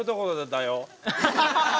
「だよ」。